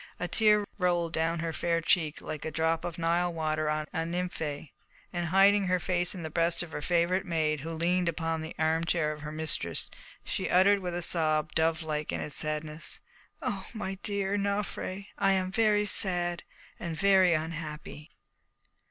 A tear rolled down her fair cheek like a drop of Nile water on a nymphoea, and hiding her face in the breast of her favourite maid, who leaned upon the armchair of her mistress, she uttered with a sob, dovelike in its sadness, "Oh, my dear Nofré, I am very sad and very unhappy!"